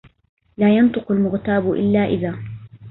لا ينطق المغتاب إلا إذا